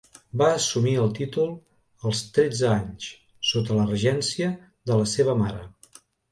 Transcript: Va assumir el títol als tretze anys, sota la regència de la seva mare.